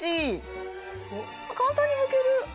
簡単にむける！